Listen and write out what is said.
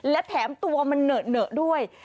และแถมตัวมันเหนอเหนอด้วย